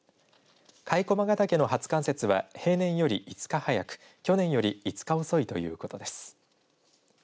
甲斐駒ヶ岳の初冠雪は平年より５日早く去年より５日遅いということです。